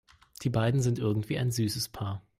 Die beiden sind irgendwie ein süßes Paar.